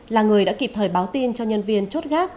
là người đã kịp thời báo tin cho nhân viên chốt gác